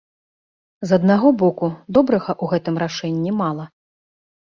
З аднаго боку, добрага ў гэтым рашэнні мала.